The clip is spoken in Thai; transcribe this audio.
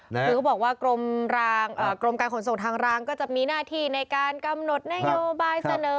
คือเขาบอกว่ากรมการขนส่งทางรางก็จะมีหน้าที่ในการกำหนดนโยบายเสนอ